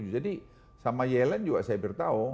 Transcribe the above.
sama yellen juga saya beritahu